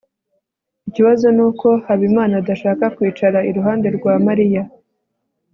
ikibazo nuko habimana adashaka kwicara iruhande rwa mariya